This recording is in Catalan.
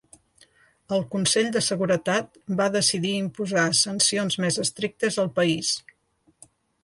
El Consell de Seguretat va decidir imposar sancions més estrictes al país.